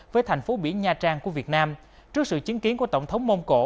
với thành phố biển nha trang của việt nam trước sự chứng kiến của tổng thống mông cổ